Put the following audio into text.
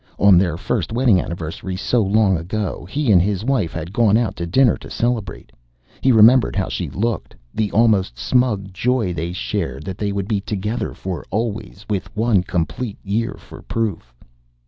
On their first wedding anniversary, so long ago, he and his wife had gone out to dinner to celebrate. He remembered how she looked: the almost smug joy they shared that they would be together for always, with one complete year for proof.